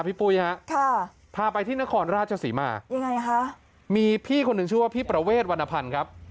ปุ้ยฮะค่ะพาไปที่นครราชศรีมายังไงคะมีพี่คนหนึ่งชื่อว่าพี่ประเวทวรรณพันธ์ครับ